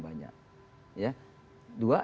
banyak ya dua